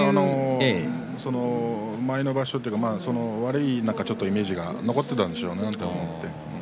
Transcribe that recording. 前の場所というか悪いイメージが残っていたんでしょうね。